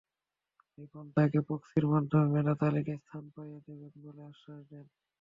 রিপন তাকে প্রক্সির মাধ্যমে মেধা তালিকায় স্থান পাইয়ে দেবেন বলে আশ্বাস দেন।